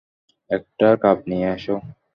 একটা কাপ নিয়ে আসো।